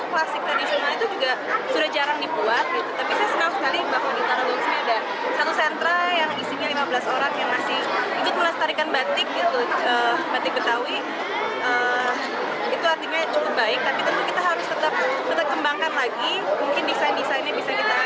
batik aslinya itu klasik tradisional itu juga sudah jarang dibuat